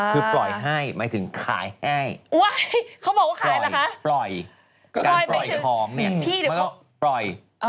คือปล่อยให้หมายถึงขายให้ปล่อยการปล่อยของเนี่ยไม่ต้องปล่อย